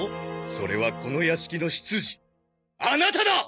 それはこの屋敷の執事アナタだ！